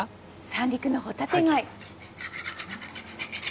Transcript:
三陸のホタテガイ。